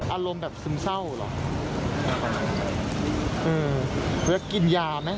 อารมณ์แบบซึมเศร้าหรอ